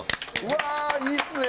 うわーいいっすね！